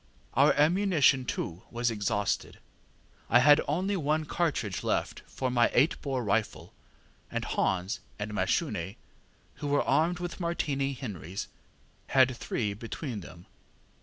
Our ammunition, too, was exhausted; I had only one cartridge left for my eight bore rifle, and Hans and Mashune, who were armed with Martini Henrys, had three between them.